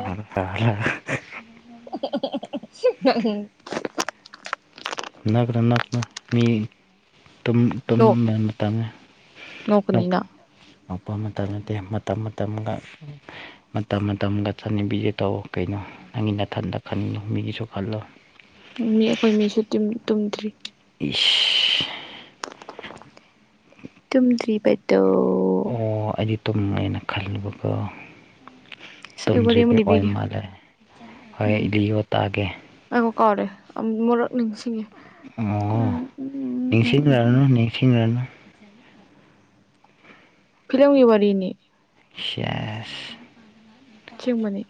ꯅꯛꯅ ꯅꯛꯅ ꯅꯛꯅ ꯃꯤ ꯇꯨꯝ ꯇꯨꯝꯕꯩ ꯃꯥꯇꯝꯅꯦ꫰꫰ ꯅꯣꯛꯀꯅꯤꯅ ꯅꯣꯛꯄ ꯃꯇꯝ ꯅꯠꯇꯦ ꯃꯇꯝ ꯃꯇꯝꯒ꯫ ꯃꯇꯝ ꯃꯇꯝꯒ ꯆꯠꯅꯤꯡꯕꯤꯁꯦ ꯇꯧ ꯀꯩꯅꯣ ꯅꯪꯒꯤ ꯅꯥꯊꯟꯗ ꯈꯟꯒꯅꯨ ꯃꯤꯒꯤꯁꯨ ꯈꯜꯂꯣ꯫ ꯃꯤ ꯑꯩꯈꯣꯏ ꯃꯤꯁꯨ ꯇꯨꯝ ꯇꯨꯝꯗ꯭ꯔꯤ꯫ ꯏꯁ꯫ ꯇꯨꯝꯗ꯭ꯔꯤꯕꯠꯇꯣ꯫ ꯑꯣ ꯑꯩꯗꯤ ꯇꯨꯝꯃꯦꯅ ꯈꯜꯂꯨꯕꯗꯣ꯫ ꯑꯁ ꯑꯩ ꯋꯥꯔꯤ ꯑꯃ ꯇꯨꯝꯗ꯭ꯔꯤꯕꯤ ꯑꯣꯏ ꯂꯤꯕꯤꯒꯦ ꯃꯥꯜꯂꯦ ꯍꯣꯏ ꯂꯤꯌꯣ ꯇꯥꯒꯦ꯫ ꯑꯩꯕꯣꯛ ꯀꯥꯎꯔꯦ ꯑꯃꯨꯔꯛ ꯅꯤꯡꯁꯤꯡꯉꯤ ꯎꯝ ꯎꯝ ꯎꯝ ꯎꯝ꯫ ꯅꯤꯡꯁꯤꯡꯉꯥꯅꯨ꯫ ꯐꯤꯂꯝꯒꯤ ꯋꯥꯔꯤꯅꯤ꯫ ꯁꯦꯁ꯫ ꯑꯁꯦꯡꯕꯅꯤ꯫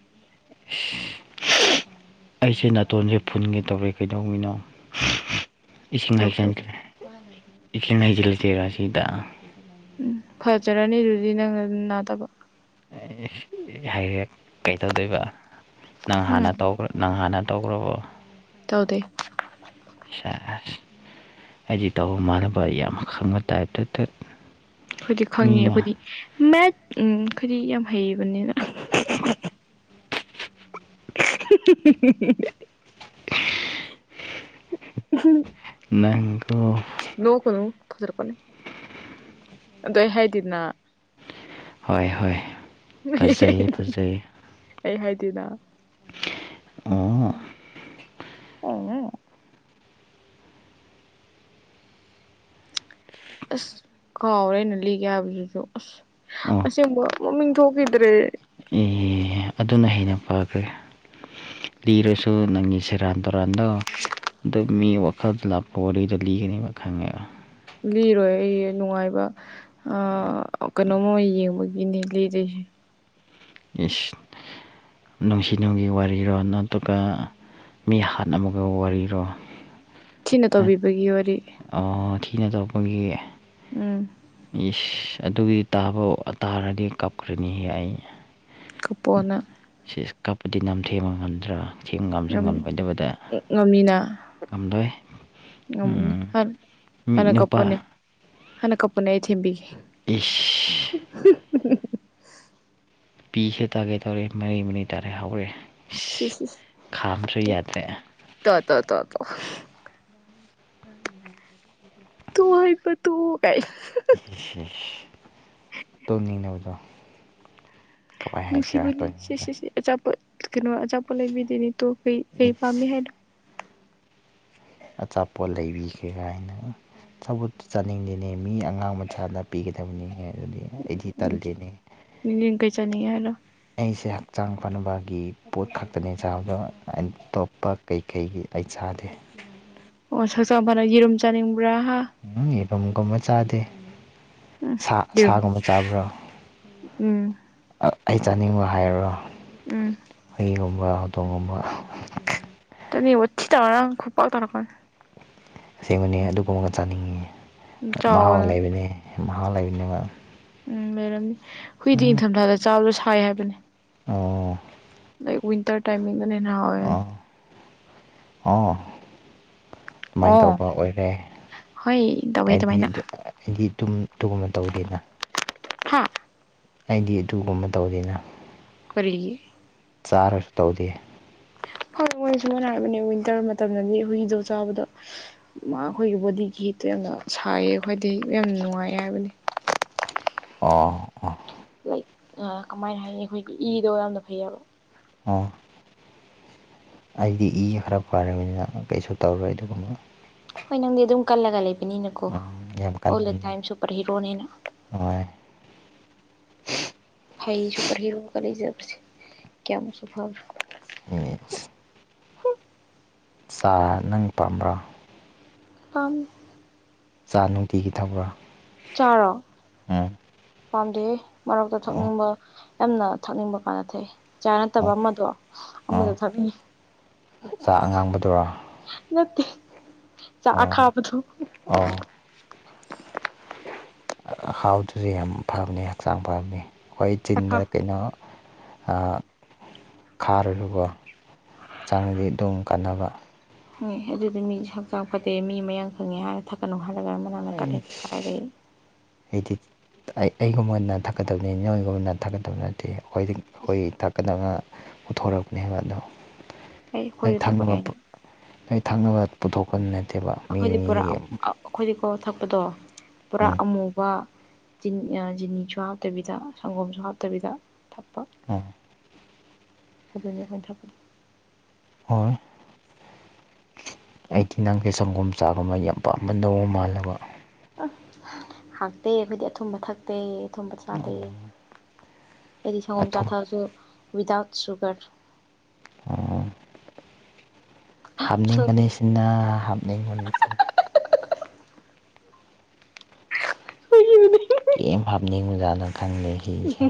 [inaudible] ꯑꯩꯁꯦ ꯅꯥꯇꯣꯟꯁꯦ ꯐꯨꯟꯒꯦ ꯇꯧꯔꯦ ꯀꯩꯗꯧꯕꯩꯅꯣ꯫ ꯏꯁꯤꯡ ꯂꯣꯛꯇꯧꯕ ꯍꯩꯖꯤꯟꯒꯦ ꯏꯁꯤꯡ ꯍꯩꯖꯤꯜꯂꯗꯤ ꯑꯁꯤꯗ꯫ ꯎꯝ ꯐꯖꯔꯅꯤ ꯑꯗꯨꯗꯤ ꯅꯪ ꯅꯥꯇꯣꯟꯗꯨ꯫ ꯍ ꯍꯦꯛ ꯀꯩꯇꯧꯗꯣꯏꯕ ꯅꯪ ꯍꯥꯟꯅ ꯎꯝ ꯇꯧꯕ ꯅꯪ ꯍꯥꯟꯅ ꯇꯧꯈ꯭ꯔꯕꯣ꯫ ꯇꯧꯗꯦ꯫ ꯁꯦꯁ ꯍꯥꯏꯗꯤ ꯇꯧꯕ ꯃꯥꯟꯅꯕ ꯌꯥꯝ ꯈꯪꯕ ꯇꯥꯏꯞꯇ ꯇꯨꯠ ꯑꯩꯈꯣꯏꯗꯤ ꯈꯪꯉꯦ ꯑꯩꯈꯣꯏꯗꯤ ꯃꯦꯠ ꯎꯝ ꯑꯈꯣꯏꯗꯤ ꯌꯥꯝ ꯍꯩꯕꯅꯤꯅ꫰꫰ [unintelligible] ꯅꯪꯒꯨ ꯅꯣꯛ ꯀꯅꯨ ꯊꯥꯖꯤꯟꯂꯛꯀꯅꯤ ꯑꯗꯣ ꯑꯩ ꯍꯥꯏꯗꯦꯗꯅ꯫ ꯍꯣꯏ ꯍꯣꯏ꯫ ꯐꯖꯩ ꯐꯖꯩ [unintelligible] ꯑꯩ ꯍꯥꯏꯗꯦꯅ ꯑꯣ ꯑꯣ ꯎꯪ꯫ ꯑꯁ ꯀꯥꯎꯔꯦ ꯑꯩꯅ ꯂꯤꯒꯦ ꯍꯥꯏꯕꯗꯨꯖꯨ ꯑꯁ꯫ ꯑꯣ ꯑꯁꯦꯡꯕ ꯃꯃꯤꯡ ꯊꯣꯈꯤꯗ꯭ꯔꯦ꯫ ꯑꯦ ꯑꯗꯨꯅ ꯍꯦꯟꯅ ꯐꯈ꯭ꯔꯦ ꯂꯤꯔꯁꯨ ꯅꯪꯒꯤ ꯁꯦꯔꯥꯟ ꯇꯨꯔꯥꯟꯗꯣ꯫ ꯑꯗꯨ ꯃꯤ ꯋꯥꯈꯜꯗ ꯂꯥꯛꯄ ꯋꯥꯔꯤꯗꯨ ꯂꯤꯒꯅꯦꯕ ꯈꯪꯉꯦꯕ꯫ ꯂꯤꯔꯣꯏ ꯑꯩ ꯅꯨꯡꯉꯥꯏꯕ ꯑꯥ ꯀꯩꯅꯣꯝꯃ ꯌꯦꯡꯕꯒꯤꯅꯤ ꯂꯤꯗꯣꯏꯁꯦ꯫ ꯏꯁ ꯅꯨꯡꯁꯤ ꯅꯨꯡꯒꯤ ꯋꯥꯔꯤꯔꯣ ꯅꯠꯇ꯭ꯔꯒ ꯃꯤ ꯍꯥꯠꯅꯕꯒ ꯋꯥꯔꯤꯔꯣ꯫ ꯊꯤꯅ ꯇꯧꯕꯤꯕꯒꯤ ꯋꯥꯔꯤ꯫ ꯑꯣ ꯊꯤꯅ ꯇꯧꯕꯒꯤ꯫ ꯎꯝ꯫ ꯏꯁ ꯑꯗꯨꯒꯤ ꯇꯥꯕꯧ ꯇꯥꯔꯗꯤ ꯀꯞꯈ꯭ꯔꯅꯤꯍꯦ ꯑꯩ꯫ ꯀꯞꯄꯣ ꯅꯪ꯫ ꯁꯤꯁ ꯀꯞꯄꯗꯤ ꯅꯪꯊꯦꯝꯕ ꯉꯝꯗ꯭ꯔꯥ꯫ ꯊꯦꯝꯡ ꯉꯝꯁꯨ ꯉꯝ ꯉꯝꯃꯣꯏꯗꯕꯗ ꯉꯝꯅꯤꯅ ꯉꯝꯂꯣꯏ꯫ ꯉꯝꯅꯤ ꯎꯝ ꯍꯥꯟ ꯃꯤ ꯅꯨꯄꯥ ꯍꯟꯅ ꯀꯞꯄꯣꯅꯦ ꯑꯩ ꯊꯦꯝꯕꯤꯒꯦ꯫ ꯏꯁ ꯄꯤꯁꯦ ꯇꯥꯒꯦ ꯇꯧꯔꯦ ꯃꯔꯤ ꯃꯔꯤ ꯇꯥꯔꯦ ꯍꯧꯔꯦ ꯏꯁ ꯏꯁ ꯏꯁ ꯈꯥꯝꯕꯁꯨ ꯇꯣ ꯌꯥꯗ꯭ꯔꯦ ꯇꯣ ꯇꯣ ꯇꯣ ꯇꯣ ꯍꯥꯏꯕ ꯇꯣꯛꯑꯣ ꯒꯥꯏꯅ ꯏꯁꯤ ꯏꯁ ꯇꯣꯡꯅꯤꯡꯅꯕꯗꯣ ꯅꯨꯡꯁꯤꯕꯅꯤ ꯁꯦ ꯁꯦ ꯁꯦ ꯑꯆꯥꯄꯣꯠ ꯀꯩꯅꯣ ꯑꯆꯥꯄꯣ ꯂꯩꯕꯤꯗꯣꯏꯅꯤ ꯇꯣ ꯀꯩ ꯀꯩ ꯄꯥꯝꯃꯤ ꯏꯁ ꯍꯥꯏꯔꯣ ꯑꯆꯥꯄꯣꯠ ꯂꯩꯕꯤꯒꯦ ꯒꯥꯏꯅ ꯑꯆꯥꯄꯣꯠꯇꯣ ꯆꯥꯅꯤꯡꯗꯦꯅꯦ ꯃꯤ ꯑꯉꯥꯡ ꯃꯆꯥꯗ ꯄꯤꯒꯗꯕꯅꯤꯅꯦ ꯑꯗꯨꯗꯤ ꯑꯩꯗꯤ ꯇꯜꯂꯤꯅꯦ꯫ ꯃꯤꯅꯤꯡ ꯀꯩ ꯆꯥꯅꯤꯡ ꯍꯥꯏꯔꯣ ꯑꯩꯁꯦ ꯍꯛꯆꯥꯡ ꯐꯅꯕꯒꯤ ꯄꯣꯠ ꯈꯛꯇꯅꯦ ꯆꯥꯕ ꯑꯥꯏ ꯇꯣꯞꯄ ꯀꯩ ꯀꯩꯒꯤ ꯑꯩ ꯆꯥꯗꯦ꯫ ꯑꯣ ꯁꯍꯛꯆꯥꯡ ꯐꯅ ꯌꯦꯔꯨꯝ ꯆꯥꯅꯤꯡꯕ꯭ꯔꯥ ꯍꯥ ꯎꯝ ꯍꯨꯝ ꯌꯦꯔꯨꯝꯒꯨꯝꯕ ꯆꯥꯗꯦ꯫ ꯁꯥ ꯎꯝ ꯁꯥꯒꯨꯝꯕ ꯆꯥꯕ꯭ꯔꯣ ꯎꯝ ꯑꯥ ꯑꯩ ꯆꯥꯅꯤꯡꯕ ꯍꯥꯏꯌꯨꯔꯣ꯫ ꯎꯝ ꯍꯨꯏꯒꯨꯝꯕ ꯍꯧꯗꯣꯡꯒꯨꯝꯕ꯫ ꯇꯣꯅꯤ ꯋꯥꯊꯤ ꯇꯧꯔ ꯈꯨꯄꯥꯛ ꯊꯥꯔꯛꯀꯅꯤ꯫ ꯑꯁꯦꯡꯕꯅꯦ ꯑꯗꯨꯒꯨꯝꯕꯒ ꯆꯥꯅꯤꯡꯉꯦ ꯃꯍꯥꯎ ꯆꯥꯎꯅ ꯂꯩꯕꯅꯦ ꯃꯍꯥꯎ ꯂꯩꯕꯅꯦꯕ꯫ ꯎꯝ ꯂꯩꯔꯝꯅꯤ ꯍꯨꯏꯗꯤ ꯎꯝ ꯏꯪꯊꯝꯊꯥꯗ ꯆꯥꯕꯗꯣ ꯁꯥꯏ ꯍꯥꯏꯕꯅꯦ꯫ ꯑꯣ ꯂꯥꯏꯛ ꯋꯤꯟꯇꯔ ꯇꯥꯏꯃꯤꯡꯗꯅꯥ ꯍꯦꯟꯅ ꯍꯥꯎꯏ ꯍꯥꯏꯅꯦ꯫ ꯑꯣ ꯑꯣ ꯑꯗꯨꯃꯥꯏ ꯑꯣ ꯇꯧꯕ ꯑꯣꯏꯔꯦ ꯍꯣꯏ ꯇꯧꯋꯦ ꯑꯩꯗꯤ ꯑꯗꯨꯃꯥꯏꯅ ꯑꯗꯨ ꯑ ꯑꯩꯗꯤ ꯇꯨꯝ ꯇꯨꯒꯨꯝꯕ ꯇꯧꯗꯦꯅ ꯍꯥꯥ ꯑꯩꯗꯤ ꯑꯗꯨꯒꯨꯝꯕ ꯇꯧꯗꯦꯅ꯫ ꯀꯔꯤꯒꯤ ꯆꯥꯔꯁꯨ ꯇꯧꯗꯦ꯫ ꯍꯣꯏ ꯃꯣꯏ ꯁꯨ ꯄꯤꯏꯅ ꯍꯥꯏꯔꯕꯅꯦ ꯋꯤꯟꯇꯔ ꯃꯇꯝꯗꯗꯤ ꯍꯨꯏꯗꯣ ꯆꯥꯕꯗꯣ ꯃꯥ ꯈꯣꯏꯒꯤ ꯕꯣꯗꯤꯒꯤ ꯍꯤꯠꯇꯣ ꯌꯥꯝꯅ ꯁꯥꯏꯌꯦ ꯈꯣꯏꯗꯤ ꯌꯥꯝꯅ ꯅꯨꯡꯉꯥꯏꯌꯦ ꯍꯥꯏꯕꯅꯤ꯫ ꯑꯣ ꯑꯣ ꯂꯥꯏꯛ ꯑꯥ ꯀꯃꯥꯏꯅ ꯍꯥꯏꯅꯤ ꯑꯩꯈꯣꯏꯒꯤ ꯏꯗꯣ ꯌꯥꯝꯅ ꯐꯩꯑꯦꯕ ꯑꯣ ꯑꯩꯗꯤ ꯏ ꯈꯔ ꯐꯔꯕꯅꯤꯅ ꯀꯩꯁꯨ ꯇꯧꯔꯣꯏ ꯑꯗꯨꯒꯨꯝꯕ ꯍꯣꯏ ꯅꯪꯗꯤ ꯑꯗꯨꯝ ꯀꯜꯂꯒ ꯂꯩꯕꯅꯤꯅꯀꯣ ꯌꯥꯝ ꯑꯣꯜ ꯗ ꯀꯟꯕꯅꯦ ꯇꯥꯏꯝ ꯁꯨꯄꯔ ꯍꯤꯔꯣꯅꯦꯅ ꯍꯣꯏ ꯐꯩ ꯁꯨꯄꯔ ꯍꯦꯔꯣꯒ ꯂꯩꯖꯕꯁꯦ ꯀꯌꯥꯝꯃꯨꯛꯁꯨ ꯐꯕꯔꯥ ꯑꯁ ꯆꯥꯔ ꯅꯪ ꯄꯥꯝꯕ꯭ꯔꯥ ꯄꯥꯝ ꯆꯥ ꯅꯨꯡꯇꯤꯒꯤ ꯊꯛꯕ꯭ꯔꯥ ꯆꯥꯔꯣ ꯄꯥꯝꯗꯦꯍꯦ ꯃꯔꯛꯇ ꯑꯣ ꯊꯛꯅꯤꯡꯕ ꯌꯥꯝꯅ ꯊꯛꯅꯤꯡꯕ ꯀꯥꯟꯅ ꯊꯛꯏ ꯆꯥ ꯅꯠꯇꯕ ꯑꯣ ꯑꯃꯗꯣ ꯑꯃꯗꯣ ꯊꯛꯅꯤꯡꯉꯤ꯫ ꯆꯥꯛ ꯑꯉꯥꯡꯕꯗꯨꯔꯣ ꯅꯠꯇꯦ ꯆꯥ ꯑꯣ ꯑꯈꯥꯕꯗꯣ ꯑꯣ ꯑꯈꯥꯕꯗꯨꯗꯤ ꯌꯥꯝ ꯐꯕꯅꯤ ꯍꯛꯆꯥꯡ ꯐꯕꯅꯤ ꯑꯩꯈꯣꯏ ꯆꯤꯟꯗ ꯑꯈꯥ ꯀꯩꯅꯣ ꯑ ꯈꯥꯔꯨꯅꯨꯀꯣ ꯆꯥꯡꯉꯥꯗꯤ ꯑꯗꯨꯝ ꯀꯥꯟꯅꯕ ꯃꯤ ꯑꯗꯨꯗꯤ ꯃꯤ ꯍꯛꯆꯥꯡ ꯐꯠꯇꯦ ꯃꯤ ꯃꯌꯥꯡ ꯀꯪꯉꯦ ꯍꯥꯏꯔ ꯊꯛꯀꯠꯅꯨ ꯍꯥꯏꯔꯒ ꯃꯅꯥ ꯅꯪꯅ ꯀꯔꯤ ꯀꯗꯥꯏꯗꯒꯤ ꯑꯩꯗꯤ ꯑꯩ ꯑꯩꯒꯨꯝꯕꯅ ꯊꯛꯀꯗꯕꯅꯤ ꯅꯣꯏꯒꯨꯝꯕꯅ ꯊꯛꯀꯗꯕ ꯅꯠꯇꯦ ꯑꯩꯈꯣꯏ ꯑꯩꯈꯣꯏ ꯊꯛꯗꯕ ꯄꯨꯊꯣꯔꯛꯄꯅꯦꯕ ꯑꯗꯣ ꯑꯩ ꯅꯩ ꯑꯩꯈꯣꯏꯁꯨ ꯊꯛꯄ ꯊꯛꯅꯕ ꯄꯨ ꯌꯥꯏꯅ ꯅꯩ ꯊꯛꯅꯕ ꯄꯨꯊꯣꯛꯄ ꯅꯠꯇꯦꯕ ꯃꯤ ꯑꯩꯈꯣꯏꯗꯤ ꯄꯨꯔꯥ ꯃꯤꯒꯤ ꯑꯩꯈꯣꯏꯗꯤꯀꯣ ꯊꯛꯄꯗꯣ ꯄꯨꯔꯥ ꯎꯝ ꯑꯃꯨꯕ ꯆꯤꯅ ꯑ ꯆꯤꯅꯤꯁꯨ ꯍꯥꯞꯇꯕꯤꯗ ꯁꯪꯒꯣꯝꯁꯨ ꯍꯥꯞꯇꯕꯤꯗ ꯊꯛꯄ ꯑꯥ [unintelligible] ꯍꯣꯏ ꯑꯩꯗꯤ ꯅꯪꯁꯦ ꯁꯪꯒꯣꯝ ꯆꯥꯕꯃ ꯌꯥꯝ ꯄꯥꯝꯕ ꯗꯣ ꯃꯥꯜꯂꯕ ꯑ ꯍꯥꯎꯇꯦ ꯑꯈꯣꯏꯗꯤ ꯑꯊꯨꯝꯕꯊꯛ ꯇꯦ ꯑꯊꯨꯝꯕ ꯆꯥꯗꯦ ꯑꯩꯗꯤ ꯁꯪꯒꯣꯝ ꯆꯥ ꯑꯊꯨꯝ ꯊꯛꯑꯁꯨ ꯋꯤꯗꯥꯥꯎꯠ ꯁꯨꯒꯔ ꯑꯣ ꯍꯥꯞꯅꯤꯡꯕꯅꯤꯁꯤꯅ ꯍꯥꯞꯅꯤꯡꯕꯅꯤꯁꯤꯅ [unintelligible] ꯀꯦꯝ ꯍꯥꯞꯅꯤꯡ ꯖꯠꯅꯣ ꯈꯪꯗꯦ ꯁꯤꯁꯦ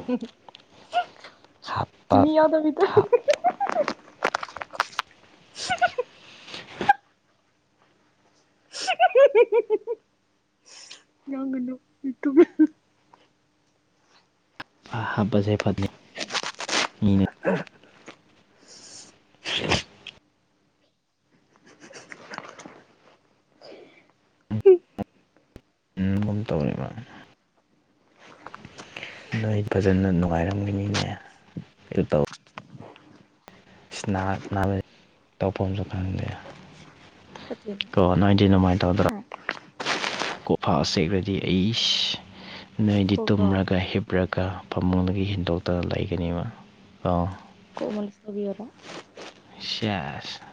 ꯆꯤꯅꯤ ꯍꯥꯞꯄ ꯌꯥꯎꯗꯕꯤꯗ [unintelligible] ꯍꯥꯞꯄꯁꯦ ꯐꯠꯅꯤ ꯃꯤꯅ [inaudible] [inaudible] ꯑꯗꯨꯝ ꯇꯧꯏꯔ ꯅꯣꯏ ꯐꯖꯅ ꯅꯨꯡꯉꯥꯏꯔꯝꯒꯅꯤꯅꯦ ꯑꯗꯨ ꯇꯧ ꯏꯁ ꯅꯥꯍꯥꯟ ꯅꯥꯕꯩ ꯇꯧꯐꯝꯁꯨ ꯈꯪꯗꯦ ꯐꯠꯇꯦꯕ ꯀꯣ ꯅꯣꯏꯗꯤ ꯑꯗꯨꯃꯥꯏ ꯍꯥ ꯇꯧꯗ꯭ꯔꯣ ꯀꯣꯐꯥ ꯁꯦꯛꯂꯗꯤ ꯑꯩꯁ ꯅꯣꯏꯗꯤ ꯀꯣꯛꯂꯣ ꯇꯨꯝꯔꯒ ꯍꯤꯞ ꯄꯔꯒ ꯐꯃꯨꯡꯗꯒꯤ ꯍꯦꯟꯗꯣꯛꯇꯒ ꯂꯩꯒꯅꯤꯕ ꯑ [unintelligible] ꯁꯦꯁ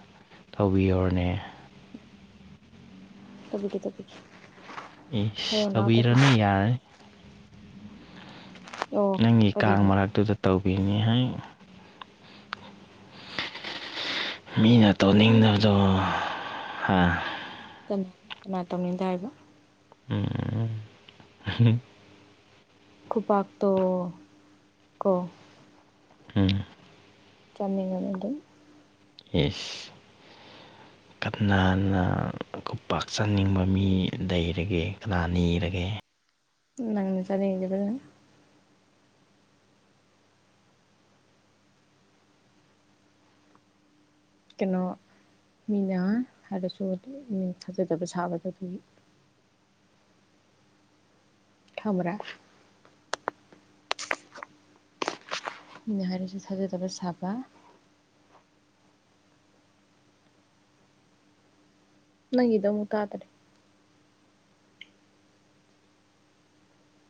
ꯇꯧꯕꯤꯌꯣꯅꯦ ꯇꯧꯕꯤꯒꯦ ꯇꯧꯕꯤꯒꯦ ꯏꯁ ꯍꯌꯦꯡ ꯂꯥꯛꯑꯣ ꯇꯧꯕꯤꯔꯅꯨ ꯇꯧꯕꯤꯒꯦ ꯌꯥꯔꯅꯤ ꯑꯣ ꯅꯪꯒꯤ ꯀꯥꯡ ꯑꯗꯨꯒꯤ ꯃꯔꯛꯇꯨꯗ ꯇꯧꯕꯤꯅꯤ ꯍꯥꯏ ꯃꯤꯅ ꯇꯧꯅꯤꯡꯗꯕꯗꯣ ꯍꯥ ꯃ ꯀꯅ ꯇꯧꯅꯤꯡꯇꯦ ꯍꯥꯏꯕ ꯎꯝ ꯈꯨꯐꯥꯛꯇꯣ ꯀꯣ ꯎꯝ ꯆꯅꯤꯡ ꯉꯒꯗꯤ ꯌꯦꯁ ꯀꯅꯥꯅ ꯑꯩꯈꯣꯏ ꯈꯨꯄꯥꯛꯆꯟꯅꯤꯡꯕ ꯃꯤ ꯂꯩꯔꯒꯦ ꯀꯅꯥ ꯅꯤꯔꯒꯦ ꯅꯪ ꯆꯥꯅꯤꯡꯉꯤꯗꯣ ꯀꯩꯅꯣ ꯃꯤꯅ ꯍꯥꯏꯔꯁꯨ ꯃꯤ ꯊꯥꯖꯗꯕ ꯁꯥꯕꯗꯣ ꯊꯝꯔꯥ ꯃꯤꯅ ꯍꯥꯏꯔꯤꯁꯨ ꯊꯥꯖꯗꯕ ꯁꯥꯕ ꯅꯪꯒꯤꯗ ꯑꯃꯨꯛ ꯇꯥꯗꯔꯦ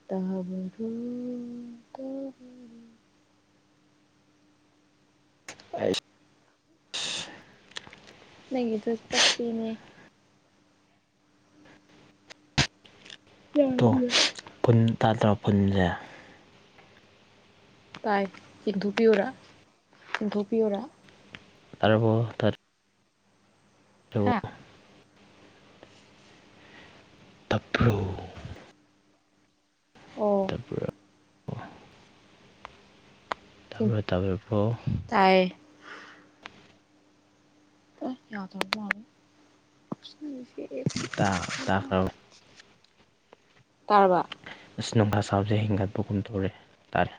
ꯇꯥꯕꯔꯨꯝ ꯀꯣ ꯑ ꯅꯪꯒꯤꯗꯨ ꯆꯠꯄꯤꯅꯦ ꯇꯣ ꯌꯥꯗ꯭ꯔꯦ ꯐꯨꯟ ꯇꯥ ꯇꯔ ꯐꯨꯟꯖꯦ ꯇꯥꯏ ꯆꯤꯡꯊꯣꯛꯄꯤꯌꯨꯔ ꯆꯤꯡꯊꯣꯛꯄꯤꯌꯨꯔ ꯇꯔꯥꯕꯣ ꯇꯔ ꯊꯕꯣ ꯍꯥ ꯇꯞꯄ꯭ꯔꯣ ꯑꯣ ꯇꯥꯄꯔ ꯇꯕ꯭ꯔ ꯇꯕ꯭ꯔ ꯄꯣ ꯇꯥꯏꯌꯦ ꯑꯩ [unintelligible] ꯇꯥ ꯇꯥꯈ꯭ꯔꯕ [unintelligible] ꯇꯔꯕꯥ ꯑꯁ ꯅꯨꯡꯁꯥ ꯁꯕꯁꯦ ꯍꯦꯟꯒꯠꯄꯒꯨꯝ ꯇꯧꯔꯦ ꯇꯥꯔꯦ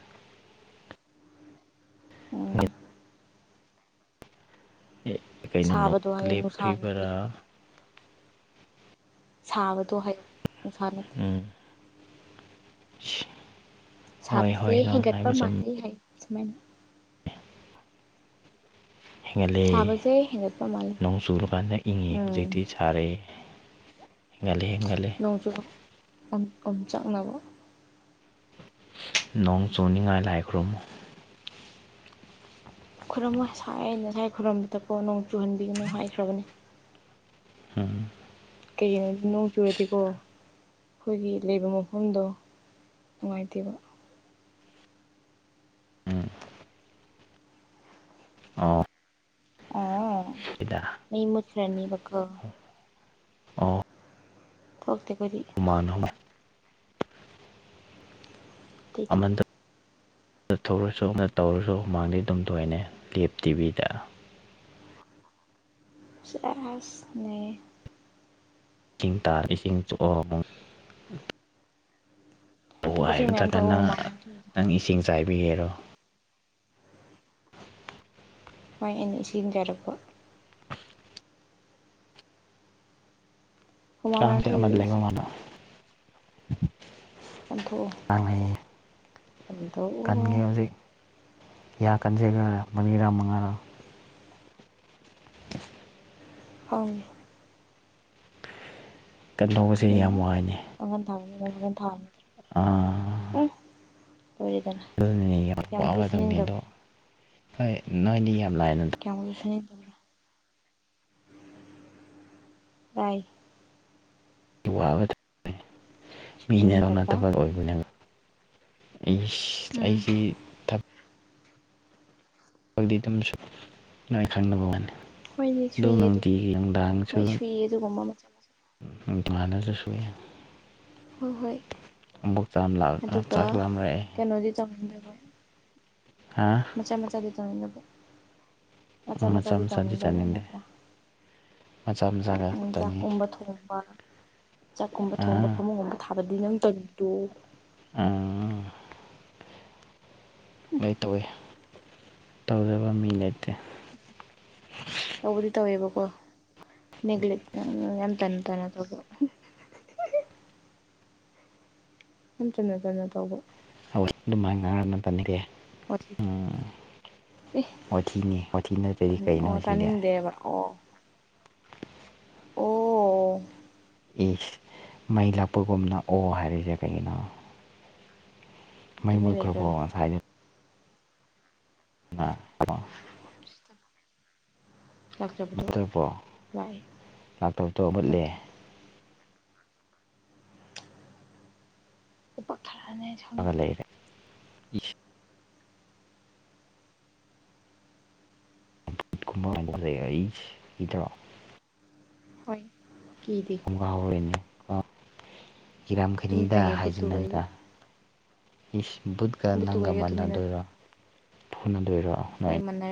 [unintelligible] ꯑꯦ ꯀꯩꯅꯅꯣꯛ ꯁꯥꯕꯗꯣ ꯍꯥꯏꯌꯨ ꯅꯨꯡꯁꯥ ꯅꯠꯇꯦ ꯂꯦꯞꯈ꯭ꯔꯤꯕꯔꯥ ꯁꯥꯕꯗꯣ ꯍꯥꯏ ꯅꯨꯡꯁꯥ ꯅꯠꯇꯦ ꯎꯝ [unintelligible] ꯍꯣꯏ ꯁꯥꯕꯁꯦ ꯍꯣꯏ ꯅꯪ ꯍꯦꯟꯒꯠꯄ ꯍꯥꯏꯕ ꯆꯨꯝꯃꯤ ꯃꯥꯜꯂꯦ ꯍꯥꯏꯌꯨ ꯁꯨꯃꯥꯏꯅ ꯍꯦꯟꯒꯠꯂꯦ ꯁꯥꯕꯁꯦ ꯍꯦꯟꯒꯠꯄ ꯃꯥꯜꯂꯤ ꯅꯣꯡ ꯆꯨꯔꯀꯥꯟꯗ ꯏꯪꯉꯤ ꯎꯝ ꯍꯧꯖꯤꯛꯇꯤ ꯁꯥꯔꯦ ꯍꯦꯟꯒꯠꯂꯦ ꯍꯦꯟꯒꯠꯂꯦ ꯅꯣꯡ ꯆꯨꯔꯣ ꯑꯣꯝ ꯑꯣꯝꯆꯥꯛꯅꯕ ꯅꯣꯡ ꯆꯨꯅꯤꯡꯉꯥꯏ ꯂꯥꯏ ꯈꯨꯔꯨꯝꯃꯣ ꯈꯨꯔꯝꯃꯣꯢ ꯁꯥꯏꯑꯦ ꯉꯁꯥꯏ ꯈꯨꯔꯨꯝꯕꯗꯀꯣ ꯅꯣꯡ ꯆꯨꯍꯟꯕꯤꯒꯅꯨ ꯍꯥꯏꯈ꯭ꯔꯕꯅꯤ [unintelligible] ꯀꯩꯒꯤꯅꯣꯗꯤ ꯅꯣꯡ ꯆꯨꯔꯗꯤꯀꯣ ꯈꯣꯏꯒꯤ ꯂꯩꯕ ꯃꯐꯝꯗꯣ ꯅꯨꯡꯉꯥꯏꯇꯦꯕ ꯎꯝ ꯑꯣ [unintelligible] [unintelligible] ꯃꯩ ꯃꯨꯠꯈꯔꯅꯤꯕꯀꯣ ꯊꯣꯛꯇꯦ ꯈꯨꯗꯤ ꯃꯥꯟꯍꯣꯃꯥꯟ ꯇꯩꯊꯣꯛ ꯑꯃꯟꯇ ꯊꯣꯛꯂꯁꯨ ꯅꯇꯧꯔꯁꯨ ꯍꯨꯃꯥꯡꯗꯤ ꯑꯗꯨꯝ ꯊꯣꯛꯑꯦꯅꯦ ꯂꯦꯞ ꯇꯤꯕꯤꯗ ꯁꯦꯁ ꯅꯩꯌꯦ ꯆꯤꯡ ꯇꯥ ꯏꯁꯤꯡ ꯆꯣꯡ ꯏꯁꯤꯡ [unintelligible] ꯃꯌꯥꯝ ꯊꯛꯑꯣ ꯇ꯭ꯔꯒꯅ ꯍꯨꯃꯥꯡ ꯃꯌꯥꯝ ꯊꯣꯛꯄꯗꯣ ꯅꯪ ꯏꯁꯤꯡ ꯆꯥꯏꯕꯤꯒꯦꯔꯣ ꯍꯣꯏ ꯑꯩꯅ ꯏꯁꯤꯡꯖꯔꯛꯄ ꯍꯨꯃꯥꯡ ꯃꯌꯥꯝ ꯀꯥꯡꯁꯦ ꯊꯣꯛꯏꯁꯦ ꯑꯃꯗ ꯂꯩꯕ ꯏꯁꯤꯡ ꯃꯟꯕ ꯀꯥꯡ ꯂꯩꯌꯦ ꯑꯟꯘꯧ ꯀꯟꯒꯦ ꯍꯧꯖꯤꯛ ꯌꯥ ꯀꯟꯖꯦꯒꯥ ꯃꯔꯤꯔꯥ ꯃꯉꯥꯔꯥ ꯐꯥꯎꯅꯦ ꯀꯟꯗꯧꯕꯁꯦ ꯌꯥꯝ ꯋꯥꯏꯅꯦ ꯀꯥꯡꯒꯟ ꯊꯥ [unintelligible] ꯑ ꯂꯣꯏꯔꯦꯗꯅ ꯑꯗꯨꯅꯅꯦ ꯌꯥꯝ ꯀꯌꯥꯃꯨꯛꯁꯨ ꯋꯥꯕꯗꯧꯅꯦ ꯑꯗꯣ ꯁꯨꯅꯤꯡꯗꯕ꯭ꯔꯥ ꯍꯣꯏ ꯅꯣꯏꯗꯤ ꯌꯥꯝ ꯂꯥꯏꯅ ꯀꯌꯥꯃꯁꯨꯅꯤꯠ ꯥꯂꯥꯏ ꯋꯥꯕ ꯃꯤꯅꯔꯣꯅ ꯁꯨꯅꯤꯡꯗꯕ ꯊꯕꯛ ꯑꯣꯏ ꯅ ꯑꯩꯁ ꯎꯝ ꯑꯩꯁꯤ ꯈꯣꯢꯗꯤ ꯑꯗꯨꯝꯁꯨ ꯅꯣꯢ ꯈꯪꯅꯕ ꯋꯥꯅꯦ ꯑꯗꯨ ꯅꯨꯡꯇꯤꯒꯤ ꯅꯨꯡꯗꯥꯡꯁꯨ ꯀꯤ ꯑꯗꯨꯒꯨꯝꯕꯃ ꯕꯥꯅꯗꯔꯁꯨꯌꯦ ꯍꯣꯏ ꯍꯣꯏ ꯑꯃꯨꯛ ꯆꯥꯛ ꯂꯥꯝ ꯑꯗꯨꯒ ꯆꯥꯛꯂꯥꯝꯔꯛꯑꯦ ꯀꯩꯅꯣꯗꯤ [unintelligible] ꯍꯥ ꯃꯆꯥ ꯃꯆꯥꯗꯤ ꯇꯥꯡꯅꯤꯡꯗꯕ ꯃꯆꯥ ꯃꯆꯥꯗꯤ ꯇꯥꯡꯅꯤꯡꯗꯕ ꯅꯠꯇ꯭ꯔꯥ ꯃꯆꯥ ꯃꯆꯥꯒ ꯆꯥꯅꯤꯡꯉꯤ ꯆꯥꯛꯀꯨꯝꯕ ꯊꯣꯡꯕ ꯆꯥꯛꯀꯨꯝꯕ ꯊꯣꯡꯕ ꯑꯥ ꯐꯃꯨꯡꯒꯨꯝꯕ ꯊꯥꯕꯗꯤ ꯅꯪ ꯇꯧꯏꯗꯣ ꯑ ꯂꯣꯏ ꯇꯧꯋꯤ ꯇꯧꯗꯕ ꯃꯤ ꯂꯩꯇꯦ ꯇꯧꯕꯗꯤ ꯇꯧꯋꯦꯕꯀꯣ ꯅꯦꯒ꯭ꯂꯦꯛ ꯌꯥꯝ ꯇꯟ ꯇꯟꯅ ꯇꯧꯕ ꯌꯥꯝ ꯇꯟꯅ ꯇꯟꯅ ꯇꯧꯕ ꯍꯣꯏ ꯑꯗꯨꯃꯥꯏꯟ ꯋꯥꯊꯤ ꯑꯦ [unintelligible] ꯋꯥꯊꯤꯅꯤ ꯋꯥꯊꯤ ꯅꯠꯇ꯭ꯔꯗꯤ ꯀꯩꯅꯣ ꯑꯣ ꯁꯤꯗꯤ ꯇꯥꯅꯤꯡꯗꯦꯕ ꯑꯣ ꯑꯣ ꯑꯦ ꯃꯩ ꯂꯥꯛꯄꯒꯨꯝꯅ ꯑꯣ ꯍꯥꯏꯔꯤꯁꯦ ꯀꯩꯒꯤꯅꯣ ꯃꯩ ꯇꯨꯃꯤꯟ ꯃꯨꯠꯈ꯭ꯔꯕꯣ ꯂꯩꯈ꯭ꯔꯒꯦ ꯉꯁꯥꯏ [unintelligible] [unintelligible] ꯂꯥꯛꯇꯕꯗꯣ ꯂꯥꯛꯑꯦ [unintelligible] ꯂꯥꯛꯇꯣꯛ ꯇꯣ ꯃꯨꯠꯂꯦ ꯅꯠꯇꯦ ꯈꯨꯄꯥꯛ ꯊꯥꯔꯛꯑꯅꯤ [unintelligible] ꯑꯃ ꯂꯩꯔꯦ ꯑꯃ ꯑꯃ [unintelligible] ꯏꯗ꯭ꯔꯣ ꯍꯣꯏ ꯀꯤꯗꯦ ꯉꯥꯎꯔꯤꯅꯦ ꯑ ꯀꯤꯔꯝ ꯇꯨꯃꯤꯟ ꯈꯩꯅꯤꯗ ꯂꯩꯌꯦ ꯕꯨꯠꯇꯨꯒ ꯑꯩꯒ ꯍꯥꯏꯖꯤꯟꯅꯅꯨꯗ ꯏꯁ ꯕꯨꯠꯀ ꯕꯨꯠꯇꯨꯒ ꯅꯪꯒ ꯑꯩꯒ ꯇꯨꯃꯤꯟꯅ ꯃꯥꯟꯅꯗꯣꯏꯔꯣ ꯐꯨꯅꯗꯣꯏꯔꯣ ꯍꯣꯏ ꯅꯣꯏꯅꯤ ꯃꯟ